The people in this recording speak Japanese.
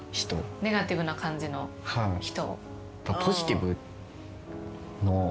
ネガティブな感じの人。